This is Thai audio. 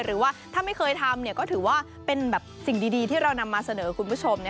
หรือว่าถ้าไม่เคยทำก็ถือว่าเป็นสิ่งดีที่เรานำมาเสนอคุณผู้ชม